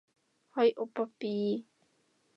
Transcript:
はい、おっぱっぴー